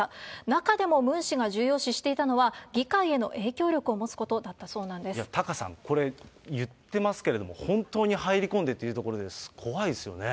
中でもムン氏が重要視してたのは、議会への影響力を持つことだったタカさん、これ、言ってますけれども、本当に入り込んでというところで、怖いですよね。